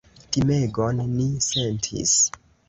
Timegon ni sentis!